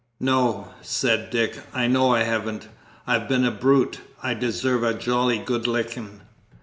"No," said Dick, "I know I haven't. I've been a brute. I deserve a jolly good licking."